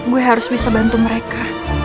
gue harus bisa bantu mereka